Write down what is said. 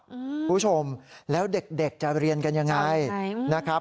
คุณผู้ชมแล้วเด็กจะเรียนกันยังไงนะครับ